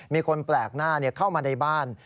มีคนแปลกหน้าเข้ามาในบ้าน